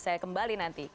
saya kembali nanti